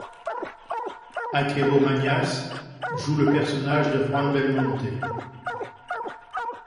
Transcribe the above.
Achero Mañas joue le personnage de Juan Belmonte.